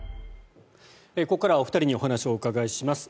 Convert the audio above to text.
ここからはお二人にお話をお伺いします。